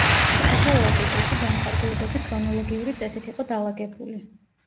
თითოეულ ტიტულში განკარგულებები ქრონოლოგიური წესით იყო დალაგებული.